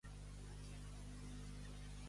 Anar-se-li'n la bola.